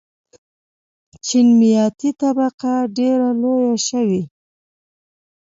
چین میاني طبقه ډېره لویه شوې.